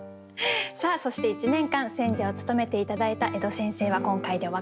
さあそして１年間選者を務めて頂いた江戸先生は今回でお別れです。